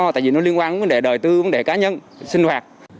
tại vì nó liên quan đến vấn đề đời tư vấn đề cá nhân sinh hoạt